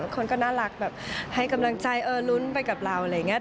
คนก็น่ารักแบบให้กำลังใจลุ้นไปกับเราอะไรอย่างนี้